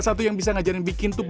bahkan bisa diterbangkan